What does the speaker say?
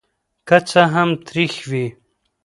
که څه هم تریخ وي.